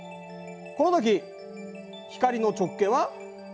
このとき光の直径は？